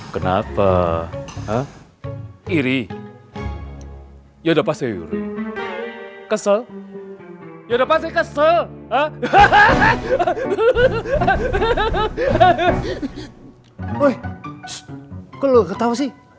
kenapa lu gak ketawa sih